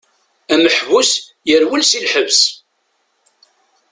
Ameḥbus yerwel si lḥebs.